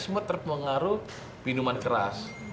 mengaruh minuman keras